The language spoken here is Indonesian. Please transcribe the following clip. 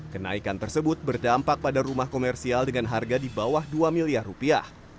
kenaikan tersebut berdampak pada rumah komersial dengan harga di bawah dua miliar rupiah